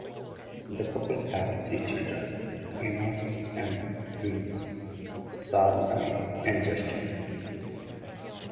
The couple have three children, Emma and twins SaraMai and Justin.